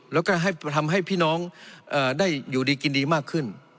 แล้วก็ให้ทำให้พี่น้องได้อยู่ดีกินดีมากขึ้น